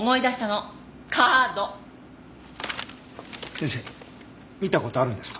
先生見た事あるんですか？